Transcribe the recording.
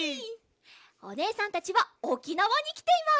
おねえさんたちはおきなわにきています！